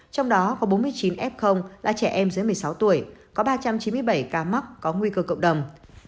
trong đó có bốn mươi chín f là trẻ em dưới một mươi sáu tuổi có ba trăm chín mươi bảy ca mắc có nguy cơ cộng đồng